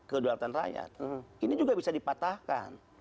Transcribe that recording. kedaulatan rakyat ini juga bisa dipatahkan